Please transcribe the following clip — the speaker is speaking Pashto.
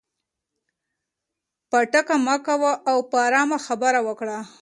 پټکه مه کوه او په ارامه خبرې وکړه.